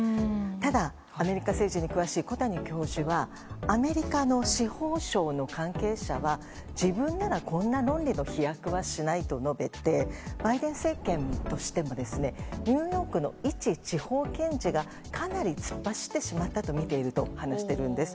ただ、アメリカ政治に詳しい小谷教授はアメリカの司法省の関係者は自分ならこんな論理の飛躍はしないと述べてバイデン政権としてもニューヨークのいち地方検事がかなり突っ走ってしまったとみていると話しているんです。